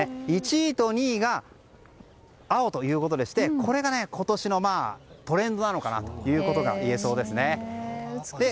１位と２位が青ということでしてこれが今年のトレンドなのかなということがいえそうですね。